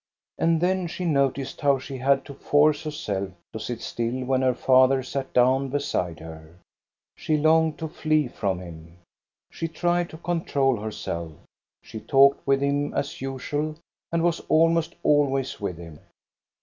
And then she noticed how she had to force herself to sit still when her father sat down beside her; she longed to flee from him. She tried to control herself; she talked with him as usual and was almost always with him.